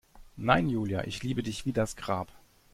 Nein, Julia, ich liebe dich wie das Grab.